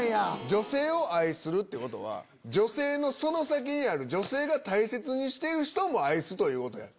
女性を愛するってことは女性のその先にある女性が大切にしてる人も愛すということや。